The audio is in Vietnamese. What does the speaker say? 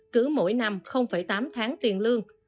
cứ mỗi năm tám tháng tiền lương